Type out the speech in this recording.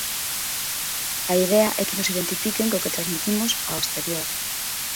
A idea é que nos identifiquen co que transmitimos ao exterior.